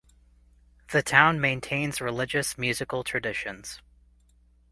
The town maintains religious musical traditions.